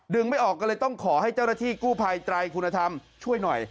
ไม่ออกก็เลยต้องขอให้เจ้าหน้าที่กู้ภัยไตรคุณธรรมช่วยหน่อย